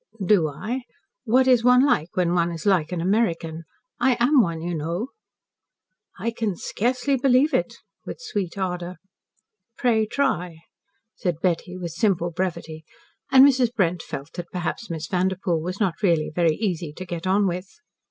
"Do I? What is one like when one is like an American? I am one, you know." "I can scarcely believe it," with sweet ardour. "Pray try," said Betty with simple brevity, and Mrs. Brent felt that perhaps Miss Vanderpoel was not really very easy to get on with.